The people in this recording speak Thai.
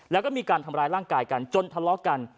แล้วก็มีการทำร้ายร่างกายกันจนทะเลาะกัน